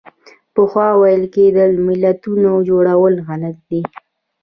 پخوا ویل کېدل ملتونو جوړول غلط دي.